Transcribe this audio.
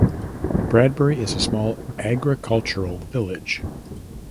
Bradbury is a small agricultural village.